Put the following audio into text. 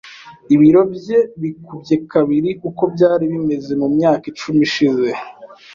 Ibiro bye bikubye kabiri uko byari bimeze mu myaka icumi ishize .